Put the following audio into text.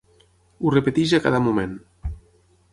Ho repeteix a cada moment.